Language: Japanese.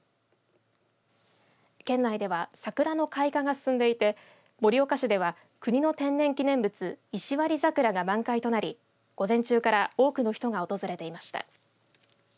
県内では、桜の開花が進んでいて盛岡市では、国の天然記念物石割桜が満開となり午前中から多くの人が訪れていました。